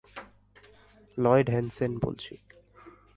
Lloyd Hansen বলছি।